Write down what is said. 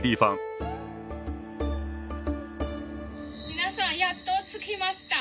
皆さんやっと着きました。